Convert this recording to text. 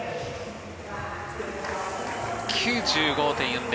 ９５．４０。